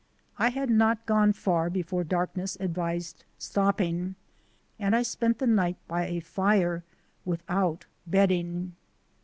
I had not gone far before darkness advised stopping and I spent the night by a fire without bedding.